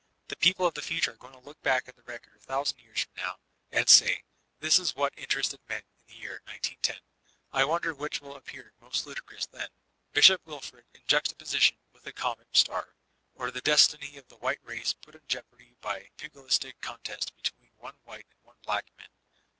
The people of the fu ture are going to look back at the record a thousand years from now ; and say, "This is what interested men in the year 191a" I wonder which will appear most lu dicrous then, Bishop Wilfred in juxtaposition with the 376 VOLTAISINB DE ClBYIB comet star, or the destiny of the white race pat id jeopardy by a pugilistic contest between one white and one bbck man!